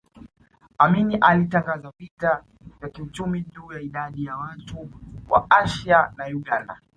Amin alitangaza vita vya kiuchumi juu ya idadi ya watu wa Asia ya Uganda